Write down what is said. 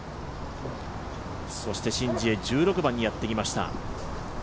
シン・ジエ、１６番にやってきました。